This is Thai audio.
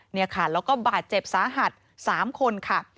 และก็บาดเจ็บสาหัส๓คนค่ะ